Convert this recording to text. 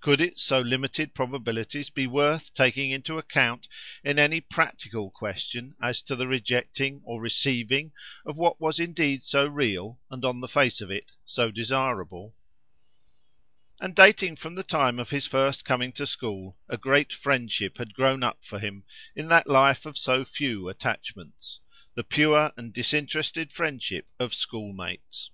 Could its so limited probabilities be worth taking into account in any practical question as to the rejecting or receiving of what was indeed so real, and, on the face of it, so desirable? And, dating from the time of his first coming to school, a great friendship had grown up for him, in that life of so few attachments—the pure and disinterested friendship of schoolmates.